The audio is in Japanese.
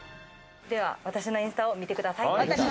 私のインスタを見てください。